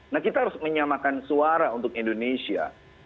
nah kita harus menyamakan suara untuk indonesia